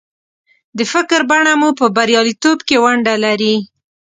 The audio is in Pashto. د فکر بڼه مو په برياليتوب کې ونډه لري.